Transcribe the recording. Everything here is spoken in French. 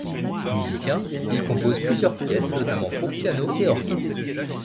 Musicien, il compose plusieurs pièces notamment pour piano et orchestre.